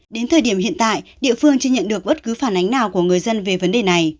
đến thời điểm hiện tại địa phương chưa nhận được bất cứ phản ánh nào của người dân về vấn đề này